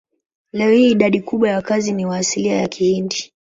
Leo hii idadi kubwa ya wakazi ni wa asili ya Kihindi.